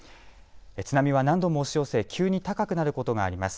津波は何度も押し寄せ急に高くなることがあります。